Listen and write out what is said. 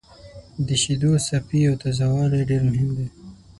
د شیدو صافي او تازه والی ډېر مهم دی.